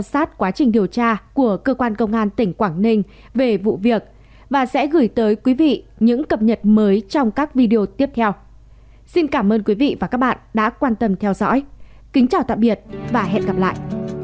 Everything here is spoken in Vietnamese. xin cảm ơn quý vị và các bạn đã quan tâm theo dõi kính chào tạm biệt và hẹn gặp lại